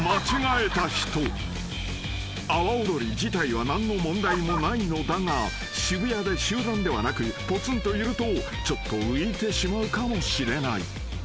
［阿波踊り自体は何の問題もないのだが渋谷で集団ではなくぽつんといるとちょっと浮いてしまうかもしれない］